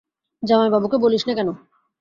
জামাইবাবুকে বলিস নে কেন।